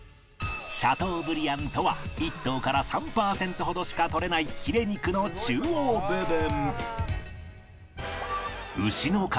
シャトーブリアンとは１頭から３パーセントほどしか取れないヒレ肉の中央部分